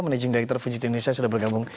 managing director fujit indonesia sudah bergabung